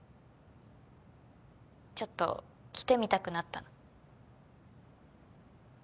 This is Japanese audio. ちょっと来てみたくなったの。